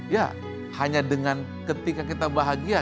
ya hanya dengan ketika kita bahagia